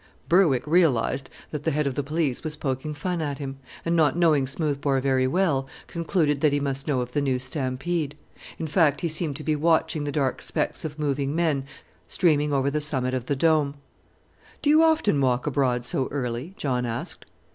Berwick realized that the Head of the Police was poking fun at him; and not knowing Smoothbore very well, concluded that he must know of the new stampede; in fact, he seemed to be watching the dark specks of moving men streaming over the summit of the Dome. "Do you often walk abroad so early?" John asked.